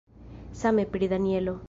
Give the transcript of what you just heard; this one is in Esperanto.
Same pri Danjelo.